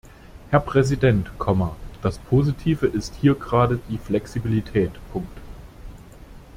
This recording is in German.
Herr Präsident, das Positive ist hier gerade die Flexibilität.